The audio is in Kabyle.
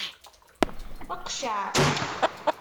Qceɛ!